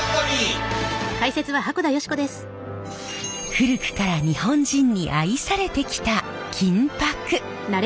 古くから日本人に愛されてきた金箔。